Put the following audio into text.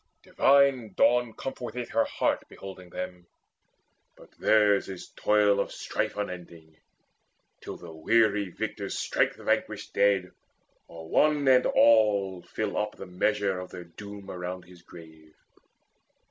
Divine Dawn comforteth her heart Beholding them: but theirs is toil of strife Unending, till the weary victors strike The vanquished dead, or one and all fill up The measure of their doom around his grave.